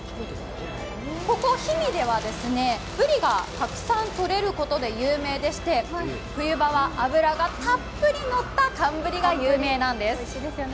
ここ氷見ではブリがたくさんとれることで有名でして、冬場は脂がたっぷりのった寒ブリが有名なんです。